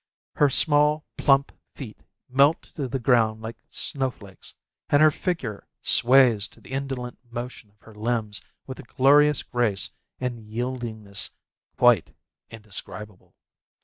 Her small, plump feet melt to the ground like snowflakes; and her figure sways to the indolent motion of her limbs with a glorious grace and yieldingness quite indescribable.